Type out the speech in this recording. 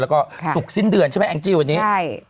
แล้วก็ศุกร์สิ้นเดือนใช่ไหมแองจี้วันนี้ใช่